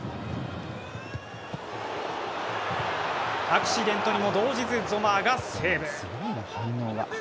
アクシデントにも動じずゾマーがセーブ。